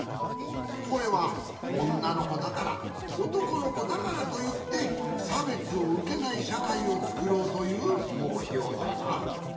これは「おんなのこだから」「おとこのこだから」といってさべつをうけないしゃかいをつくろうというもくひょうじゃな。